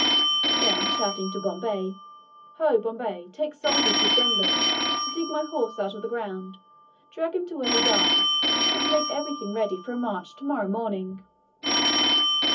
(Then shouting to Bombay.) "Ho! Bombay, take soldiers with jembes to dig my horse out of the ground, drag him to where he died, and make everything ready for a march to morrow morning."